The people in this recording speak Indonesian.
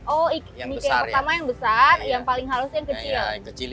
oh nika yang pertama yang besar yang paling halusnya yang kecil